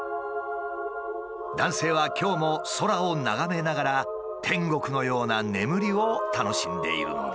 男性は今日も空を眺めながら天国のような眠りを楽しんでいるのだ。